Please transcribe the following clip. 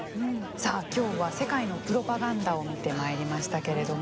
さあ今日は世界のプロパガンダを見てまいりましたけれども。